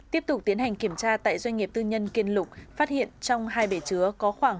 tiếp tục tiến hành kiểm tra tại doanh nghiệp tư nhân kiên lục phát hiện trong hai bể chứa có khoảng